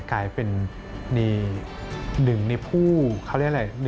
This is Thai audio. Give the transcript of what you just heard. กลายเป็นมี๑ในผู้เขาเรียกอะไร